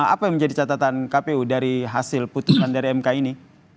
apa yang menjadi catatan kpu dari hasil putusan dari mk ini